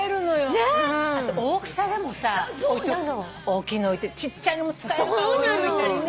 あと大きさでもさ大きいの置いてちっちゃいのも使えるから置いといたりね。